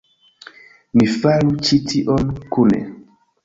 Ni faru ĉi tion kune!